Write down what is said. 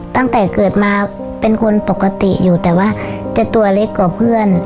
ตั้งแต่เกิดมาเป็นคนปกติอยู่แต่ว่าจะตัวเล็กกว่าเพื่อน